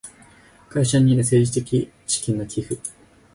会社による政治資金の寄付